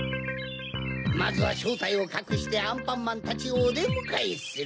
まずはしょうたいをかくしてアンパンマンたちをおでむかえする。